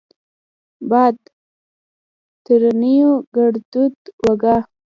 باد؛ ترينو ګړدود وګا